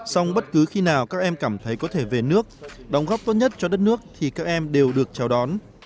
xong bất cứ khi nào các em cảm thấy có thể về nước đóng góp tốt nhất cho đất nước thì các em đều được chào đón